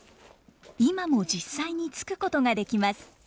今も実際に撞くことができます。